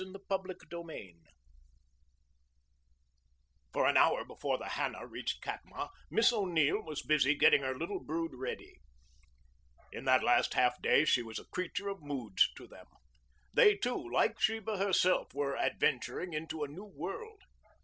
CHAPTER IV THE CREVASSE For an hour before the Hannah reached Katma Miss O'Neill was busy getting her little brood ready. In that last half day she was a creature of moods to them. They, too, like Sheba herself, were adventuring into a new world.